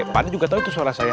pak adi juga tahu itu suara saya